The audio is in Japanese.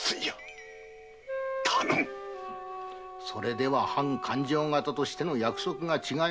では勘定方としての約束が違う。